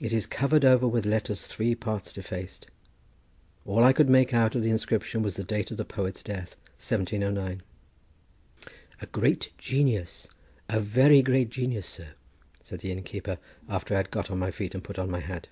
It is covered over with letters three parts defaced. All I could make out of the inscription was the date of the poet's death, 1709. "A great genius, a very great genius, sir," said the innkeeper, after I had got on my feet and put on my hat.